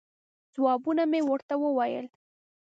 ځوابونه مې ورته وویل.